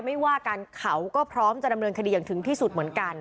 ไม่ว่ากันเขาก็พร้อมจะดำเนินคดีอย่างถึงที่สุดเหมือนกัน